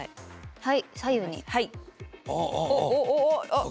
はい。